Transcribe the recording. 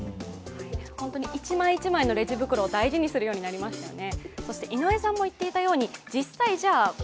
本当に１枚１枚のレジ袋を大事にするようになりましたよね。